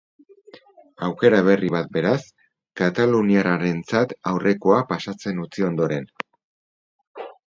Aukera berri bat, beraz, kataluniarrarentzat aurrekoa pasatzen utzi ondoren.